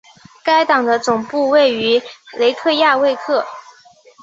该党的总部位于雷克雅未克。